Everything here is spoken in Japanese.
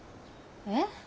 えっ？